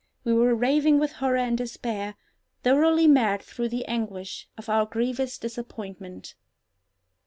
We were raving with horror and despair—thoroughly mad through the anguish of our grievous disappointment.